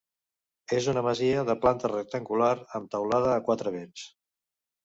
És una masia de planta rectangular amb teulada a quatre vents.